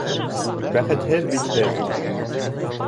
Бәхетһеҙ бит һеҙ!